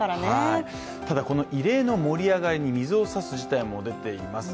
異例の盛り上がりに、水を差す事態も出ています。